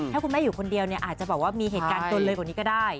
ถ้าคุณแม่อยู่คนเดียวเนี่ยอาจจะแบบว่ามีเหตุการณ์จนเลยกว่านี้ก็ได้